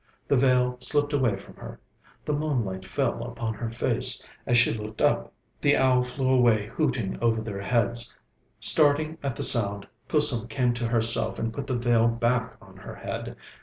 The veil slipped away from her. The moonlight fell upon her face, as she looked up. The owl flew away hooting over their heads. Starting at the sound, Kusum came to herself and put the veil back on her head.